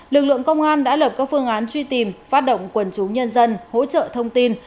lực lượng công an đã lập các phương án truy tìm phát động quần chúng nhân dân hỗ trợ thông tin